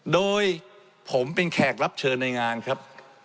โดยผมเป็นแขกรับเชิญในงานครับ